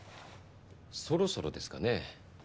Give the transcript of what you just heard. そろそろですかね。